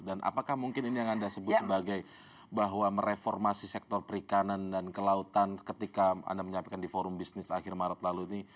dan apakah mungkin ini yang anda sebut sebagai bahwa mereformasi sektor perikanan dan kelautan ketika anda menyiapkan di forum bisnis akhir maret lalu ini